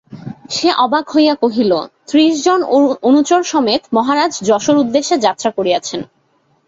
সে অবাক হইয়া কহিল, ত্রিশ জন অনুচর সমেত মহারাজ যশোর উদ্দেশে যাত্রা করিয়াছেন।